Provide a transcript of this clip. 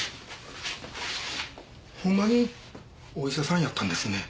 ほんまにお医者さんやったんですね。